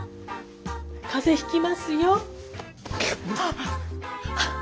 風邪ひきますよ。